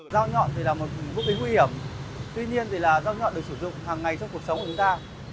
dao nhọn thì là một vũ khí nguy hiểm tuy nhiên thì là dao nhọn được sử dụng hàng ngày trong cuộc sống của chúng ta